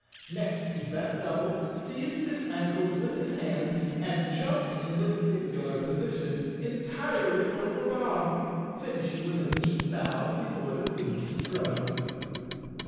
Next he bent double, seized his ankles with his hands and jumped in this singular po¬ sition entirely over Bob, finishing with a neat bow be¬ fore the Queen's throne.